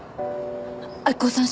明子さん